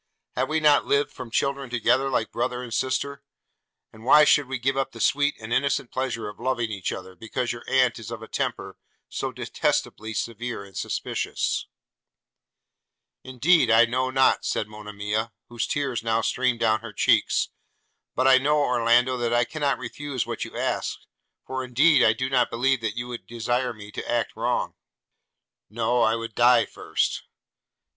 Have we not lived from children together, like brother and sister? and why should we give up the sweet and innocent pleasure of loving each other, because your aunt is of a temper so detestably severe and suspicious?' 'Indeed I know not,' said Monimia, whose tears now streamed down her cheeks; 'but I know, Orlando, that I cannot refuse what you ask; for, indeed, I do not believe you would desire me to act wrong.' 'No, I would die first.'